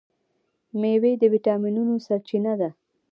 میوې د ویټامینونو سرچینه ده.